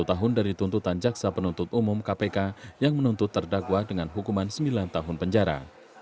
sepuluh tahun dari tuntutan jaksa penuntut umum kpk yang menuntut terdakwa dengan hukuman sembilan tahun penjara